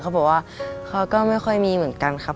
เขาบอกว่าเขาก็ไม่ค่อยมีเหมือนกันครับ